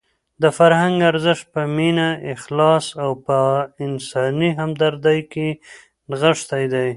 د فرهنګ ارزښت په مینه، اخلاص او په انساني همدردۍ کې نغښتی دی.